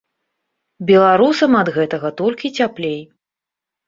Беларусам ад гэтага толькі цяплей.